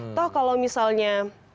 atau kalau misalnya